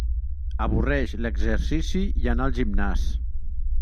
Avorreix l'exercici i anar al gimnàs.